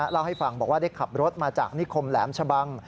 เล่าให้ฟังบอกว่าได้ขับรถมาจากนิคมแหลมชะบัง